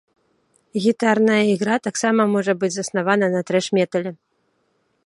Гітарная ігра таксама можа быць заснавана на трэш-метале.